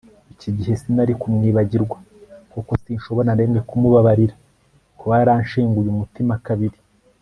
iki gihe sinari kumwibagirwa, kuko sinshobora na rimwe kumubabarira - kuba yaranshenguye umutima kabiri